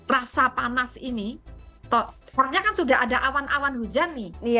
rasa panas ini pokoknya kan sudah ada awan awan hujan nih